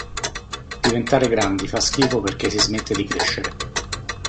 Diventare grandi fa schifo perché si smette di crescere.